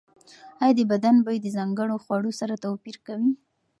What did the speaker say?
ایا د بدن بوی د ځانګړو خوړو سره توپیر کوي؟